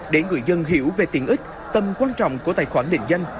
để người dân hiểu về tiện ích tầm quan trọng của tài khoản định danh